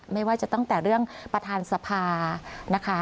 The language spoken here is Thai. ไม่ว่าจะตั้งแต่เรื่องประธานสภานะคะ